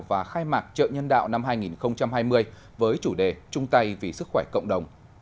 và khai mạc chợ nhân đạo năm hai nghìn hai mươi với chủ đề trung tây vì sức khỏe cộng đồng